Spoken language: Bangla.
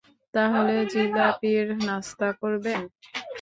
তাহলে জিলাপির নাস্তা করবেন?